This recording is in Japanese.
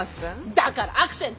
だからアクセント！